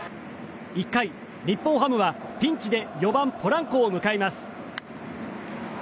１回、日本ハムはピンチで４番、ポランコを迎えます。